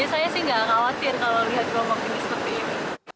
saya sih nggak khawatir kalau lihat kelompok ini seperti ini